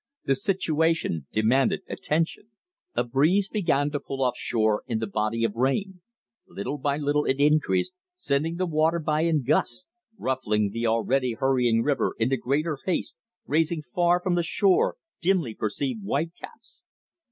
The situation demanded attention. A breeze began to pull off shore in the body of rain. Little by little it increased, sending the water by in gusts, ruffling the already hurrying river into greater haste, raising far from the shore dimly perceived white caps.